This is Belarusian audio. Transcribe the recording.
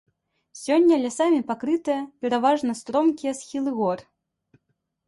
Сёння лясамі пакрытыя пераважна стромкія схілы гор.